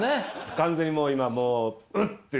完全にもう今もうウッていう。